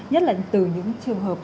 nhất là từ những trường hợp